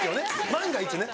万が一ね。